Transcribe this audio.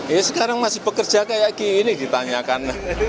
ya sekarang masih bekerja kayak gini ditanyakan